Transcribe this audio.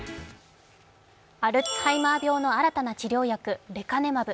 アルツハイマー病の新たな治療薬レカネマブ。